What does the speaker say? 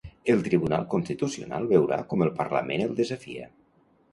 El Tribunal Constitucional veurà com el Parlament el desafia.